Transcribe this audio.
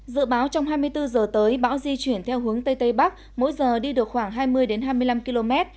dự báo trong hai mươi bốn giờ tới bão di chuyển theo hướng tây tây bắc mỗi giờ đi được khoảng hai mươi hai mươi năm km